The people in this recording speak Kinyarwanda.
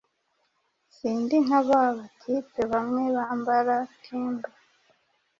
Sindi nka babatipe bamwe bambara timber